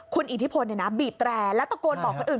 คุณอิทธิพลบีบแตรแล้วตะโกนบอกคนอื่น